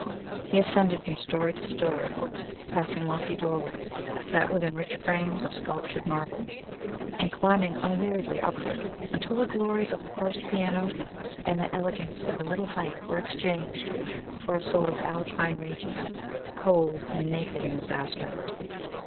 He ascended from story to story, passing lofty doorways, set within rich frames of sculptured marble, and climbing unweariedly upward, until the glories of the first piano and the elegance of the middle height were exchanged for a sort of Alpine region, cold and naked in its aspect.